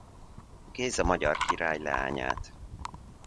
Géza magyar király leányát.